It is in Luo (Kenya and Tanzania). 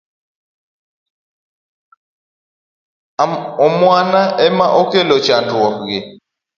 Amwana ema okelo chandruok gi.